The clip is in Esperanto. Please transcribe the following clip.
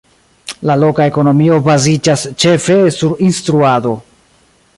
La loka ekonomio baziĝas ĉefe sur instruado.